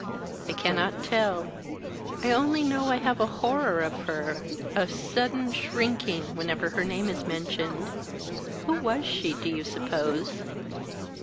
"I cannot tell. I only know I have a horror of her, a sudden shrinking whenever her name is mentioned. Who was she, do you suppose?"